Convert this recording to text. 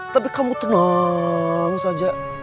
tapi kamu tenang saja